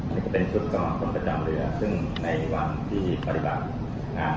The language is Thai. นี่ก็เป็นชุดกำลังพลประจำเรือซึ่งในวันที่ปฏิบัติงาน